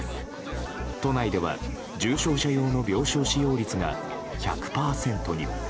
都内では、重症者用の病床使用率が１００％に。